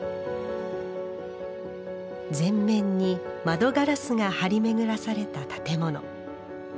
全面に窓ガラスが張り巡らされた建物。